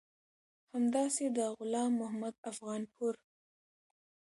همداسې د غلام محمد افغانپور